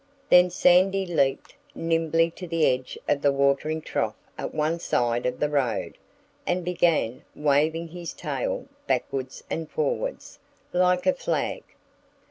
Then Sandy leaped nimbly to the edge of the watering trough at one side of the road and began waving his tail backwards and forwards, like a flag.